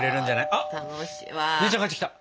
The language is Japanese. あっ姉ちゃん帰ってきた。